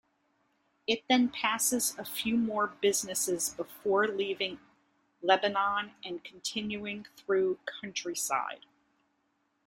It then passes a few more businesses before leaving Lebanon and continuing through countryside.